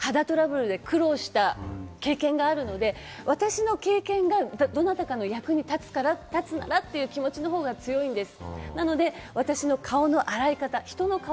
自分が過去に肌トラブルで苦労をした経験があるので、私の経験があるので、私の経験がどなたかの役にたつならという気持ちの方が強いんです。